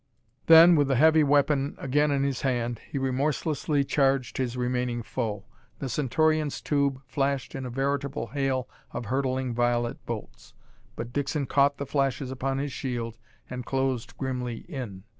Then, with the heavy weapon again in his hand, he remorselessly charged his remaining foe. The Centaurian's tube flashed in a veritable hail of hurtling violet bolts, but Dixon caught the flashes upon his shield and closed grimly in.